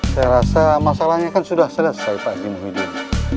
saya rasa masalahnya kan sudah selesai pak haji muridin